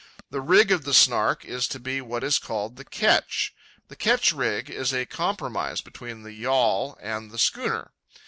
The rig of the Snark is to be what is called the "ketch." The ketch rig is a compromise between the yawl and the schooner.